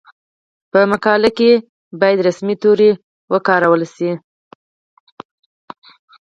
په مقاله کې باید رسمي توري وکارول شي.